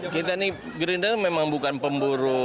kita nih gerindra memang bukan pemburu